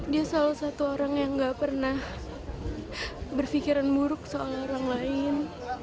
dia salah satu orang yang gak pernah berpikiran buruk soal orang lain